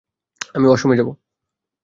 আমি ওয়াশরুমে যাব।